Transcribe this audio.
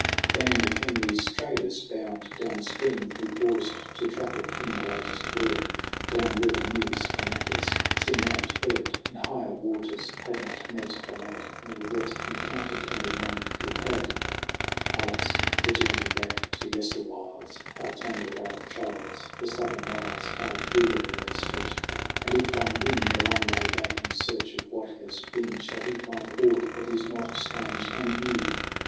A band of Henry's traders, bound down stream, Who paused to traffic in the latest word Down river news for matters seen and heard n6 SONG OF HUGH GLASS In higher waters had not met the lad, Not yet encountered anyone who had. Alas, the journey back to yesterwhiles ! How tangled are the trails ! The stubborn miles, How wearily they stretch ! And if one win The long way back in search of what has been, Shall he find aught that is not strange and new